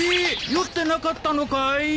酔ってなかったのかい？